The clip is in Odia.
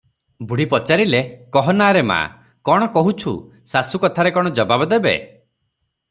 ବୁଢ଼ୀ ପଚାରିଲେ, "କହ ନା ରେ ମା, କଣ କହୁଛୁ?" ଶାଶୁ କଥାରେ କଣ ଜବାବ ଦେବେ?